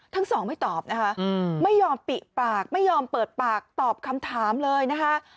ทั้งสองไม่ตอบนะคะไม่ยอมปิปากไม่ยอมเปิดปากตอบคำถามเลยนะคะ